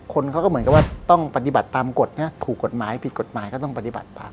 คนเขาก็เหมือนกับว่าต้องปฏิบัติตามกฎถูกกฎหมายผิดกฎหมายก็ต้องปฏิบัติตาม